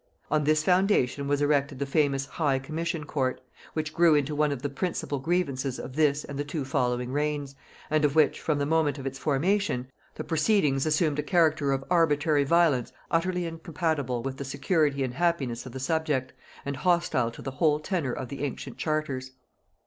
On this foundation was erected the famous High Commission Court, which grew into one of the principal grievances of this and the two following reigns, and of which, from the moment of its formation, the proceedings assumed a character of arbitrary violence utterly incompatible with the security and happiness of the subject, and hostile to the whole tenor of the ancient charters.